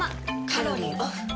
カロリーオフ。